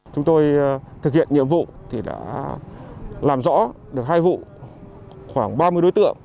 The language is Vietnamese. chúng tôi thực hiện nhiệm vụ làm rõ được hai vụ khoảng ba mươi đối tượng